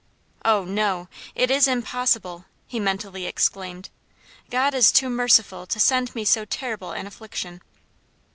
"Oh, no! it is impossible!" he mentally exclaimed. "God is too merciful to send me so terrible an affliction."